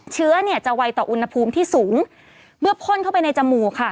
เชื้อเนี่ยจะไวต่ออุณหภูมิที่สูงเมื่อพ่นเข้าไปในจมูกค่ะ